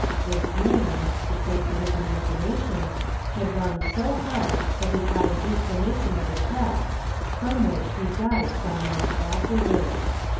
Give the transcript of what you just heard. This man, the prey to his imagi nation, had run so hard that he caught an inflammation of the chest, from which he died some months afterwards.